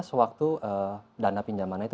sewaktu dana pinjamannya itu